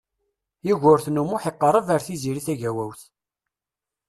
Yugurten U Muḥ iqerreb ar Tiziri Tagawawt.